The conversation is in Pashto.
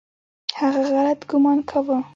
هغه غلط ګومان کاوه .